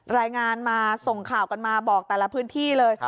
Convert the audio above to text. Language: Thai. รายงานมาส่งข่าวกันมาบอกแต่ละพื้นที่เลย